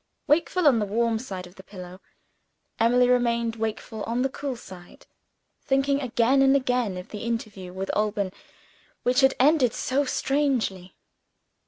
Wakeful on the warm side of the pillow, Emily remained wakeful on the cool side thinking again and again of the interview with Alban which had ended so strangely.